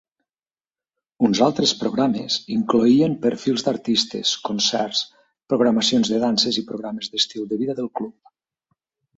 Uns altres programes incloïen perfils d'artistes, concerts, programacions de danses i programes de l'estil de vida del club.